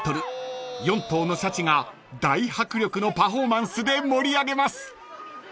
［４頭のシャチが大迫力のパフォーマンスで盛り上げます］